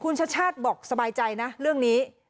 คุณชาติชาติบอกสบายใจนะเรื่องนี้